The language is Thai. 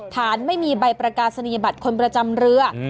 ฐานไม่มีใบประกาศนียบัตรคนประจำเรือ